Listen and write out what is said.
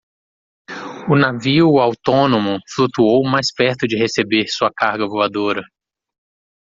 O navio autônomo flutuou mais perto de receber sua carga voadora.